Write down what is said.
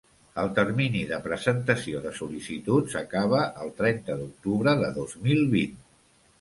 El termini de presentació de sol·licituds acaba el trenta d'octubre de dos mil vint.